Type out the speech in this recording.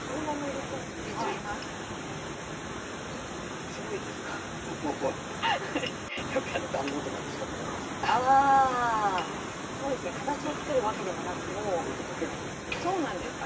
だんごとかに形を作るわけでもないです。